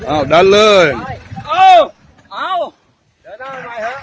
อ้าวดันเลยอ้าวอ้าว